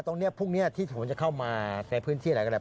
ตรงนี้พวกนี้ที่ผมจะเข้ามาในพื้นที่หลายกระดาษ